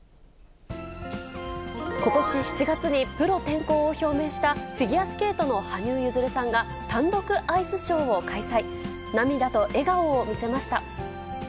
ことし７月にプロ転向を表明した、フィギュアスケートの羽生結弦さんが単独アイスショーを開催。